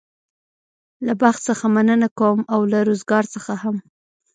له بخت څخه مننه کوم او له روزګار څخه هم.